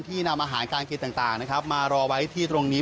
ที่นำอาหารการกินต่างมารอไว้ที่ตรงนี้